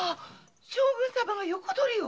将軍様が横取りを？